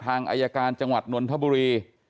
ทางอายการจังหวัดนนทบุรี